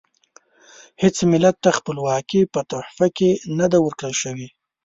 هیڅ ملت ته خپلواکي په تحفه کې نه ده ورکړل شوې.